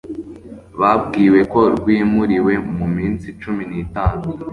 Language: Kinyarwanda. babwiwe ko rwimuriwe mu minsi cumi n itanu